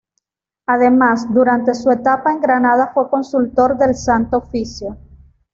Además, durante su etapa en Granada fue consultor del Santo Oficio.